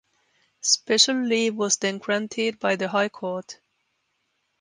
Special leave was then granted by the High Court.